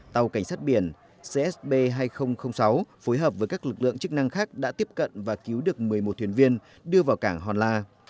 tàu cảnh sát biển csb hai nghìn sáu phối hợp với các lực lượng chức năng khác đã tiếp cận và cứu được một mươi một thuyền viên đưa vào cảng hòn la